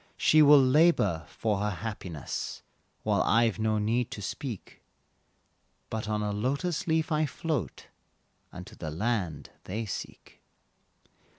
She will labor for her happiness While I've no need to speak, But on a lotus leaf I float, Unto the land they seek.